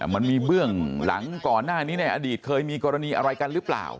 มันมีเบื้องหลังก่อนหน้านี้ในอดีตเคยมีกรณีอะไรกันหรือเปล่า